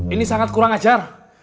ini sangat kurang ajar